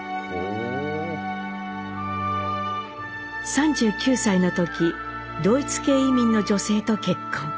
３９歳の時ドイツ系移民の女性と結婚。